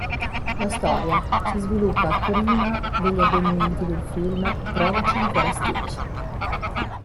La storia si sviluppa prima degli avvenimenti del film "Provaci ancora Stitch!